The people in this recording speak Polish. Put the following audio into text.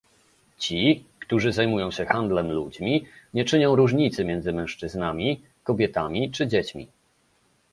Ci, którzy zajmują się handlem ludźmi, nie czynią różnicy między mężczyznami, kobietami czy dziećmi